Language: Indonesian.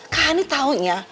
kak hani taunya